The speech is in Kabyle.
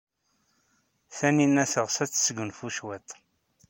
Taninna teɣs ad tesgunfu cwiṭ.